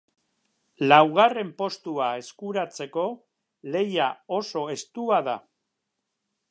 Laugarren postua eskuratzeko lehia oso estua da.